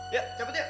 ya cepet ya